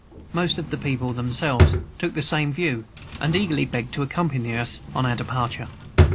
Most of the people themselves took the same view, and eagerly begged to accompany us on our departure.